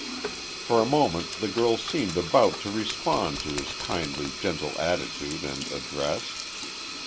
For a moment the girl seemed about to respond to his kindly, gentle attitude and address.